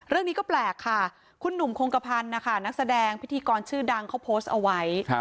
เรื่องนี้ก็แปลกค่ะคุณหนุ่มคงกระพันธ์นะคะนักแสดงพิธีกรชื่อดังเขาโพสต์เอาไว้